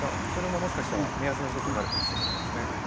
それももしかしたら目安の一つになるかもしれないですね。